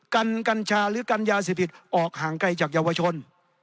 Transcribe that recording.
กันกัญชาหรือกันยาเสพติดออกห่างไกลจากเยาวชน